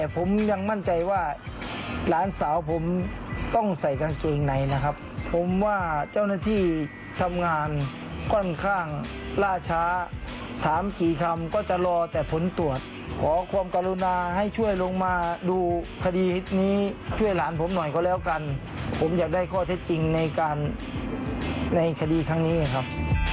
ผมยังมั่นใจว่าหลานสาวผมต้องใส่กางเกงในนะครับผมว่าเจ้าหน้าที่ทำงานค่อนข้างล่าช้าถามกี่คำก็จะรอแต่ผลตรวจขอความกรุณาให้ช่วยลงมาดูคดีนี้ช่วยหลานผมหน่อยก็แล้วกันผมอยากได้ข้อเท็จจริงในการในคดีครั้งนี้ครับ